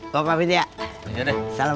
kok pak binti ya